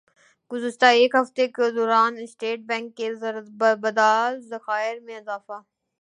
گزشتہ ایک ہفتہ کے دوران اسٹیٹ بینک کے زرمبادلہ ذخائر میں اضافہ